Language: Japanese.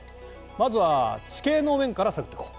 まずは地形の面から探っていこう。